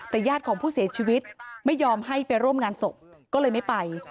แต่ญาติของผู้เสียชีวิตไม่ยอมให้ไปร่วมงานศพก็เลยไม่ไป